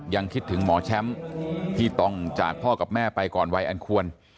ยังคิดถึงหมอแชมป์ที่ศัพท์ออกจากพ่อกับแม่ไปก่อนวัยอาลควร